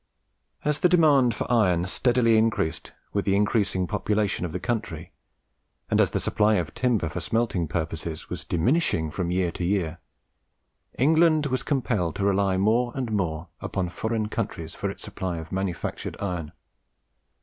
As the demand for iron steadily increased with the increasing population of the country, and as the supply of timber for smelting purposes was diminishing from year to year, England was compelled to rely more and more upon foreign countries for its supply of manufactured iron.